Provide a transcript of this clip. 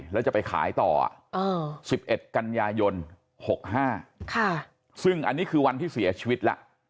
แล้วจะไปขายต่อ๑๑กันยายน๖๕ซึ่งอันนี้คือวันที่เสียชีวิตแล้ว